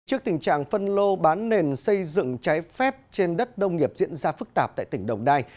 trước tình trạng phân lô bán nền xây dựng trái phép trên đất đông nghiệp diễn ra phức tạp tại tỉnh đồng nai